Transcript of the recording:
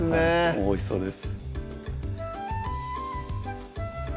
おいしそうです